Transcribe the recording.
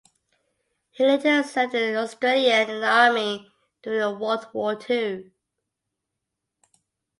He later served in Australian in the Army during World War Two.